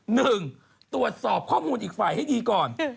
หนึ่งตรวจสอบข้อมูลอีกฝ่ายให้ดีก่อน